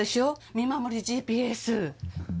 見守りＧＰＳ。